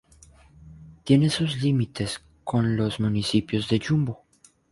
Tiene sus límites con los municipios de Yumbo.